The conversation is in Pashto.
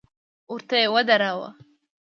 وره ته يې ودراوه.